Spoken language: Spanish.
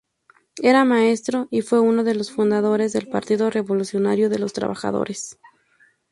Era maestro y fue uno de los fundadores del Partido Revolucionario de los Trabajadores.